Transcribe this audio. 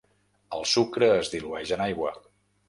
El sucre es dilueix en aigua.